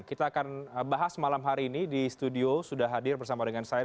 kita akan bahas malam hari ini di studio sudah hadir bersama dengan saya